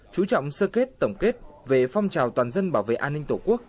chú trọng sơ kết tổng kết về phong trào toàn dân bảo vệ an ninh tổ quốc